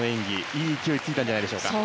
いい勢いがついたんじゃないでしょうか。